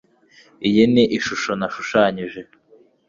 Iyi ni ishusho nashushanyije.